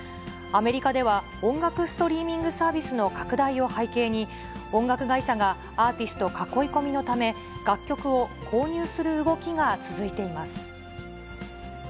アメリカでは、音楽ストリーミングサービスの拡大を背景に、音楽会社がアーティスト囲い込みのため、楽曲を購入する動きが続いています。